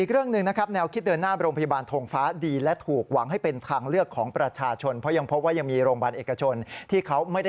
ราคาข้ารักษาแบบแพงเวิร์ด